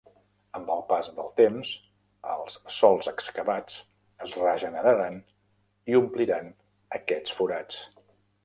Amb el pas del temps, els sòls excavats es regeneraran i ompliran aquests forats.